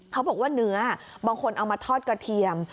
เขาบอกว่าเนื้อบางคนเอามาทอดกระเทียม